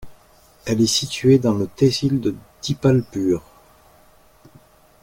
Elle est située dans le tehsil de Dipalpur.